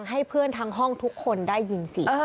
ให้เพื่อนทั้งห้องทุกคนได้ยินเสียง